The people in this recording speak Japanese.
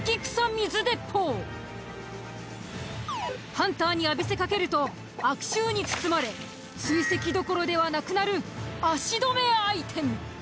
ハンターに浴びせかけると悪臭に包まれ追跡どころではなくなる足止めアイテム。